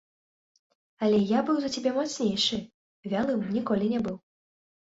Але я быў за цябе мацнейшы, вялым ніколі не быў.